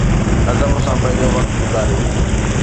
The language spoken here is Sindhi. عزم سان پنهنجو وقت گذاريو.